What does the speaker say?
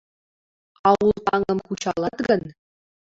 Аул таҥым кучалат гын